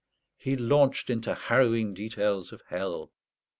He launched into harrowing details of hell.